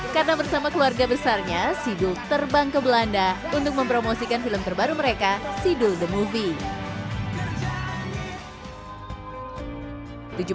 karena bersama keluarga besarnya sidul terbang ke belanda untuk mempromosikan film terbaru mereka sidul the movie